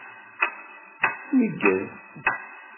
Tneggez.